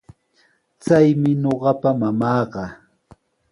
Chaymi ñuqapa mamaaqa.